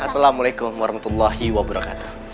assalamualaikum warahmatullahi wabarakatuh